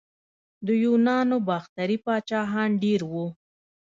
د یونانو باختري پاچاهان ډیر وو